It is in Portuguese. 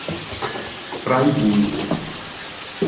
Fraiburgo